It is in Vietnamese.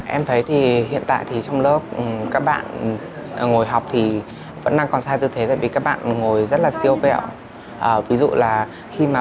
em thấy hiện tại trong lớp các bạn ngồi học vẫn còn sai tư thế vì các bạn ngồi rất siêu vẹo